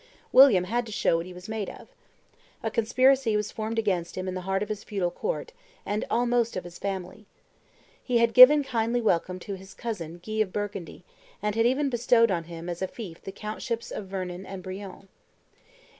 William had to show what he was made of. A conspiracy was formed against him in the heart of his feudal court, and almost of his family. He had given kindly welcome to his cousin Guy of Burgundy, and had even bestowed on him as a fief the countships of Vernon and Brionne.